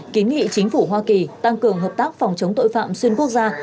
kiến nghị chính phủ hoa kỳ tăng cường hợp tác phòng chống tội phạm xuyên quốc gia